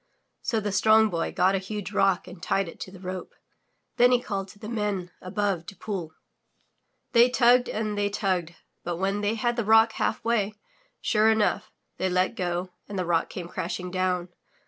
So the Strong Boy got a huge rock and tied it to the rope, then he called to the Men above to pull. They tugged and they tugged, but when they had the rock half way, sure enough, they 172 THROUGH FAIRY HALLS let go and the rock came crashing down.